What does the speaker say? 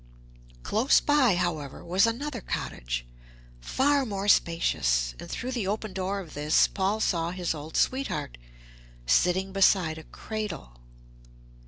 Close by, however, was another cottage, far more spacious, and through the open door of this Paul saw his old sweetheart sitting beside a cradle.